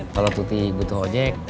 kalau putih butuh ojek